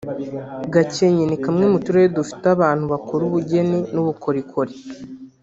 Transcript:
Gakenke ni kamwe mu turere dufite abantu bakora ubugeni n’ubukorikorikori